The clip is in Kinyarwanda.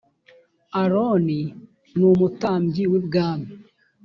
aroni numutambyi wibwami